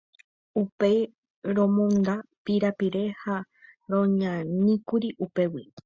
Upéi romonda pirapire ha roñaníkuri upégui.